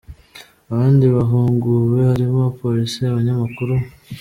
Abandi bahuguwe harimo abapolisi, abanyamakuru